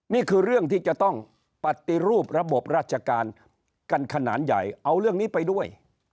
นี่คือเรื่องที่จะต้องปฏิรูประบบราชการกันขนาดใหญ่เอาเรื่องนี้ไปด้วย